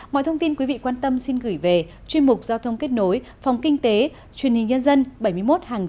mọi thông tin quý vị quan tâm xin gửi về chuyên mục giao thông kết nối phòng kinh tế truyền hình nhân dân bảy mươi một hàng chống hoàn kiếm hà nội